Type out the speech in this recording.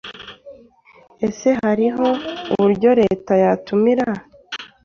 Ese hariho uburyo leta yatumira